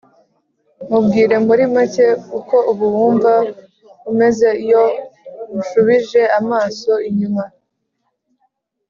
Mubwire muri make uko ubu wumva umeze iyo unshubije amaso inyuma